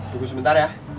tunggu sebentar ya